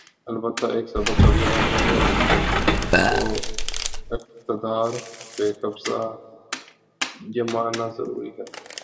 البتہ ایک سبق کبھی نہ بھولے‘ گو اقتدار پہ قبضہ جمانا ضروری ہے۔